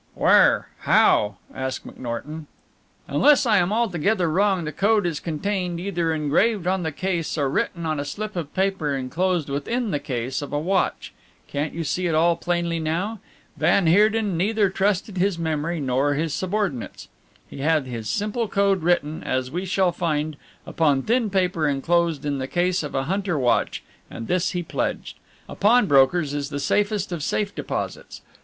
"Where? How?" asked McNorton. "Unless I am altogether wrong the code is contained, either engraved on the case or written on a slip of paper enclosed within the case of a watch. Can't you see it all plainly now? Van Heerden neither trusted his memory nor his subordinates. He had his simple code written, as we shall find, upon thin paper enclosed in the case of a hunter watch, and this he pledged. A pawnbroker's is the safest of safe deposits.